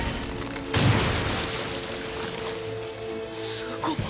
すごっ。